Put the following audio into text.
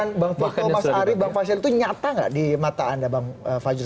tapi kan kekhawatiran bang faisal itu nyata nggak di mata anda bang fajur